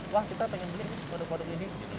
wah kita pengen beli produk produk ini